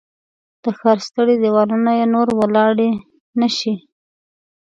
د ښار ستړي دیوالونه یې نور وړلای نه شي